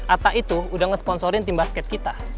atta itu udah ngesponsorin tim basket kita